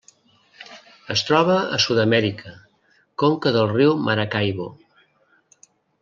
Es troba a Sud-amèrica: conca del riu Maracaibo.